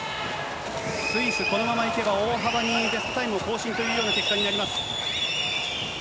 スイス、このままいけば、大幅にベストタイムを更新というような結果になります。